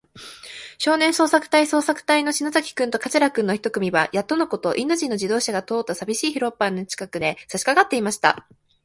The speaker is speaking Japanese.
少年捜索隊そうさくたいの篠崎君と桂君の一組は、やっとのこと、インド人の自動車が通ったさびしい広っぱの近くへ、さしかかっていました。